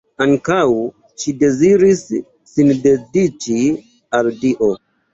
Ankaŭ ŝi deziris sin dediĉi al Dio.